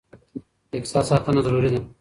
د اقتصاد ساتنه ضروري ده.